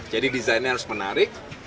jadi desainnya harus menarik